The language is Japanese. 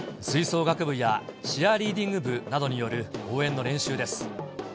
吹奏楽部やチアリーディング部などによる応援の練習です。